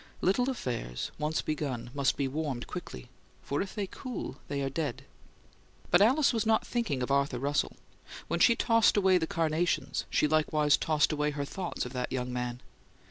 Little affairs, once begun, must be warmed quickly; for if they cool they are dead. But Alice was not thinking of Arthur Russell. When she tossed away the carnations she likewise tossed away her thoughts of that young man.